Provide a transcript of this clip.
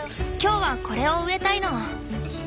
今日はこれを植えたいの！